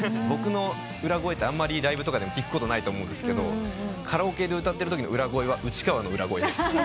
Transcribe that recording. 僕の裏声ってあんまりライブとかでも聴くことないと思うんですけどカラオケで歌ってるときの裏声は内川の裏声です。